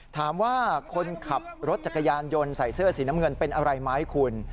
ถามว่าคนขับรถจักรยานยนต์ใส่เสื้อสีน้ำเงินเป็นอะไรไหมคุณ